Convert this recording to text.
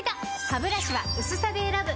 ハブラシは薄さで選ぶ！